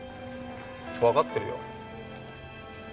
わかってるよ。